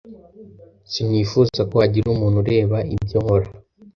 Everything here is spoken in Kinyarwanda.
sinifuza ko hagira umuntu ureba ibyo nkora.